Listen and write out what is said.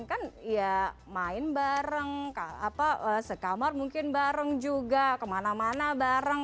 kan ya main bareng sekamar mungkin bareng juga kemana mana bareng